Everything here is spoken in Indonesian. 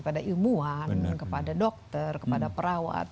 kepada ilmuwan kepada dokter kepada perawat